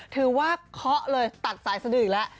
ถือว่าเคาะเลยตัดสายสนุนอีกแล้ว